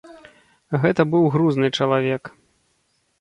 Гэта быў грузны чалавек.